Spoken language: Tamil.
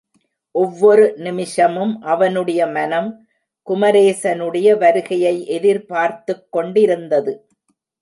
ஒவ்வொரு நிமிஷமும் அவனுடைய மனம் குமரேசனுடைய வருகையை எதிர்பார்த்துக் கொண்டிருந்தது.